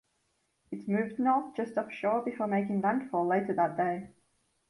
It moved north just offshore before making landfall later that day.